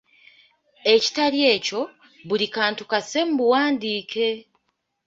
Ekitali ekyo, buli kantu kasse mu buwandiike.